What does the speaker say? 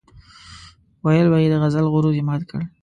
ويل به يې د غزل غرور یې مات کړ.